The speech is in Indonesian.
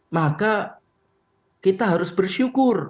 maka kita harus bersyukur